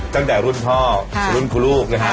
ตั้งแต่รุ่นพ่อรุ่นครูลูกนะฮะ